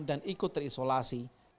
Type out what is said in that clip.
dan ikut terisolasi